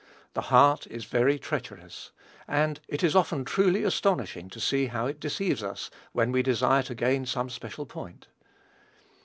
The heart is very treacherous; and it is often truly astonishing to see how it deceives us when we desire to gain some special point.